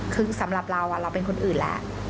คือสำหรับเราเราเป็นคนอื่นแหละ